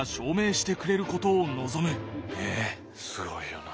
えっすごいよな。